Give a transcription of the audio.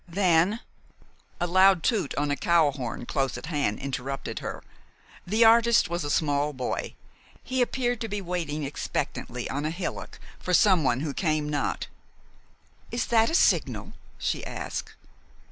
"Then " A loud toot on a cowhorn close at hand interrupted her. The artist was a small boy. He appeared to be waiting expectantly on a hillock for someone who came not. "Is that a signal?" she asked.